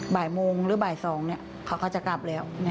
บ่ายโมงหรือบ่าย๒เขาก็จะกลับแล้ว